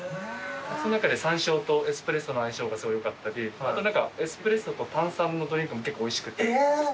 その中でさんしょうとエスプレッソの相性がよかったりエスプレッソと炭酸のドリンクも結構おいしくて。